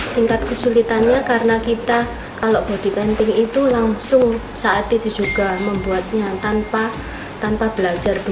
tingkat kesulitannya karena kita kalau body painting itu langsung saat itu juga membuatnya tanpa belajar